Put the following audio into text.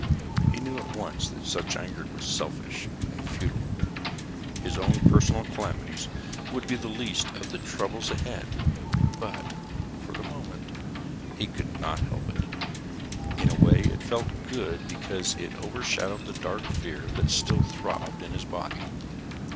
He knew at once that such anger was selfish and futile. His own personal calamities would be the least of the troubles ahead, but, for the moment, he could not help it. In a way, it felt good because it overshadowed the dark fear that still throbbed in his body.